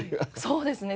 そうですね。